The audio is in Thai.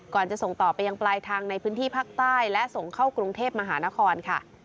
จะส่งต่อไปยังปลายทางในพื้นที่ภาคใต้และส่งเข้ากรุงเทพมหานครค่ะ